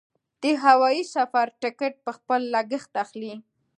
د هوايي سفر ټکټ په خپل لګښت اخلي.